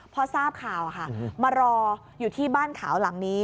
พอทราบข่าวค่ะมารออยู่ที่บ้านขาวหลังนี้